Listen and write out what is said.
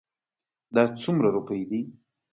دا څومره روپی دي؟